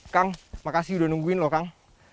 kang makasih udah nungguin loh kang